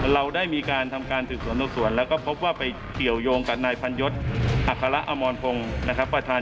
เราได้มีการทำการสื่อส่วนลศส่วนแล้วก็พบว่าไปเกี่ยวยงกับนายพันยศอัคพระอำรพงฯนะครับ